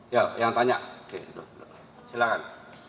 ya yang tanya silakan